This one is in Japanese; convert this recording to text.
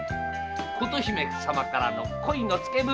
琴姫様からの恋のつけ文！